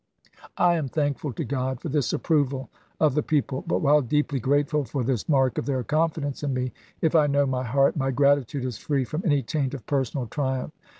" I am thankful to God for this approval of the people; but, while deeply grateful for this mark of their confidence in me, if I know my heart, my gratitude is free from any taint of personal triumph.